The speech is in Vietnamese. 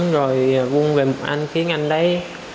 rồi vung về một anh khiến anh đấy